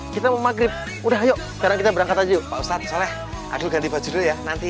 kita mau maghrib udah ayo sekarang kita berangkat aja yuk pak ustadz soleh aduh ganti baju dulu ya nanti